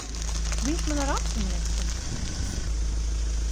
Viņš man ar aci miegs taču.